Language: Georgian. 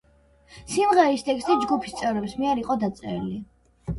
სიმღერის ტექსტი ჯგუფის წევრების მიერ იყო დაწერილი.